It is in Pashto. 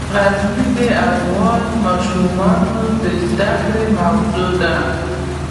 غزني د افغان ماشومانو د زده کړې موضوع ده.